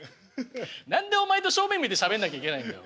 何でお前と正面向いてしゃべんなきゃいけないんだよ！